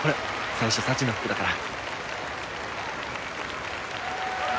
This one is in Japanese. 最初サチの服だから。